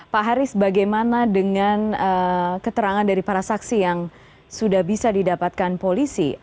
pak haris bagaimana dengan keterangan dari para saksi yang sudah bisa didapatkan polisi